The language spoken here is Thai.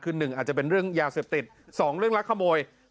คือ๑อาจจะเป็นเรื่องยาเสพติด๒เรื่องลักขโมย